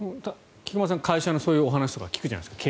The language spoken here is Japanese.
菊間さん会社のそういう経営者のお話聞くじゃないですか。